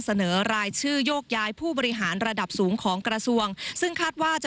เสนอรายชื่อโยกย้ายผู้บริหารระดับสูงของกระทรวงซึ่งคาดว่าจะ